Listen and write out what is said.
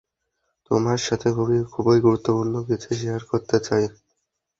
তোমার সাথে খুবই গুরুত্বপূর্ণ কিছু শেয়ার করতে চাই।